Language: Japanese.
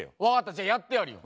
じゃあやってやるよ。